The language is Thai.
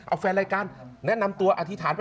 เอาแฟนรายการแนะนำตัวอธิษฐานไป